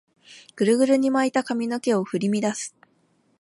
グルグルに巻いた髪の毛を振り乱す